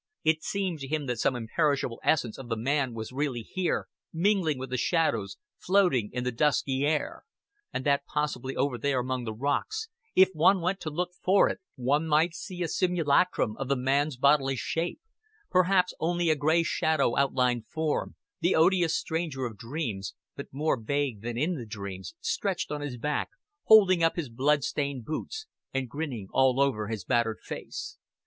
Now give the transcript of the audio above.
It seemed to him that some imperishable essence of the man was really here, mingling with the shadows, floating in the dusky air; and that possibly over there among the rocks, if one went to look for it, one might see a simulacrum of the man's bodily shape perhaps only a gray shadowy outlined form, the odious stranger of dreams, but more vague than in the dreams, stretched on his back, holding up his blood stained boots, and grinning all over his battered face.